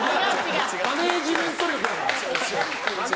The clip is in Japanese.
マネジメント力だから。